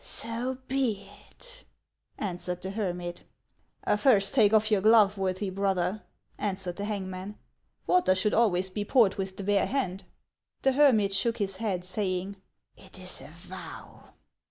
" So be it," answered the hermit, " First take off your glove, worthy brother," answered the hangman. " Water should always be poured with the bare hand." The hermit shook his head, saying, " It is a vow."